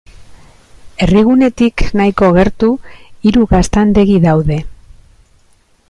Herrigunetik nahiko gertu, hiru gaztandegi daude.